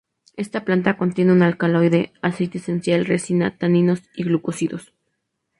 Esta planta contiene un alcaloide, aceite esencial, resina, taninos y glucósidos.